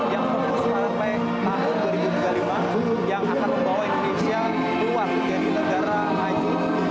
yang fokus sampai tahun dua ribu tiga puluh lima yang akan membawa indonesia keluar dari negara maju